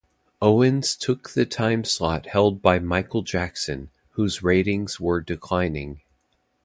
Owens took the time slot held by Michael Jackson, whose ratings were declining.